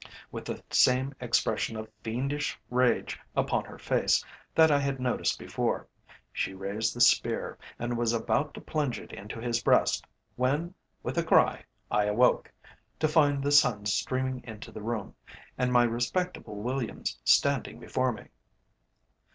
With the same expression of fiendish rage upon her face that I had noticed before, she raised the spear, and was about to plunge it into his breast, when with a cry I awoke, to find the sun streaming into the room, and my respectable Williams standing before me.